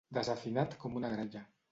Desafinat com una gralla.